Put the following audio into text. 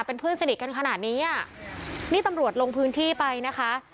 เป็นเพื่อนสนิทกันขนาดนี้อ่ะนี่ตำรวจลงพื้นที่ไปนะคะ